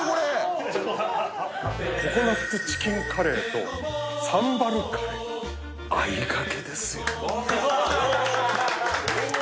ココナッツチキンカレーとサンバルカレーあいがけですよ・おおお！